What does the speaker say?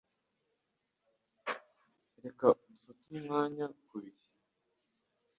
Reka dufate umwanya kubihe.